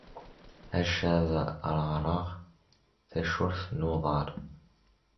Acca ad ṛaṛeɣ tacurt n uḍar.